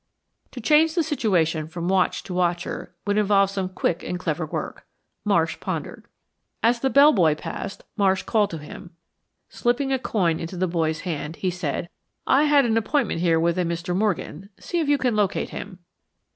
To change the situation from watched to watcher would involve some quick and clever work. Marsh pondered. As the bell boy passed Marsh called to him, Slipping a coin into the boy's hand, he said, "I had an appointment here with a Mr. Morgan. See if you can locate him."